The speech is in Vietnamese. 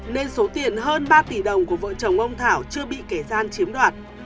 nên số tiền hơn ba tỷ đồng của vợ chồng ông thảo chưa bị kẻ gian chiếm đoạt